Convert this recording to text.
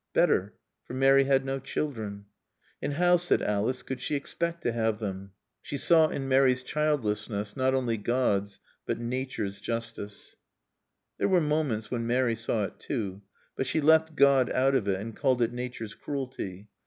Better, for Mary had no children. "And how," said Alice, "could she expect to have them?" She saw in Mary's childlessness not only God's but Nature's justice. There were moments when Mary saw it too. But she left God out of it and called it Nature's cruelty.